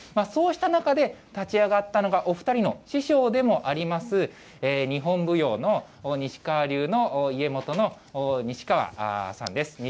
そうした中で、立ち上がったのが、お２人の師匠でもあります、日本舞踊の西川流の家元の西川さんです。